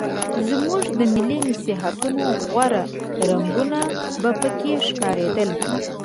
زموږ د ملي نصیحتونو غوره رنګونه به پکې ښکارېدل.